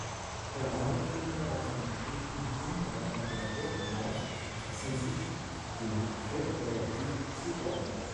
Keramikfunde aus den Schichten hinter der Burgmauer lassen sich dem Feldberger Typ zuordnen.